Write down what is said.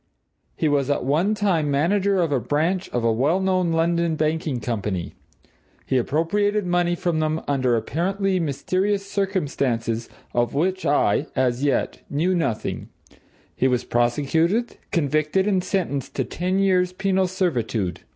He was at one time manager of a branch of a well known London banking company. He appropriated money from them under apparently mysterious circumstances of which I, as yet, knew nothing; he was prosecuted, convicted, and sentenced to ten years' penal servitude.